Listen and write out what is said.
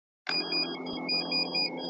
جهاني رامعلومېږي د شفق له خوني سترګو.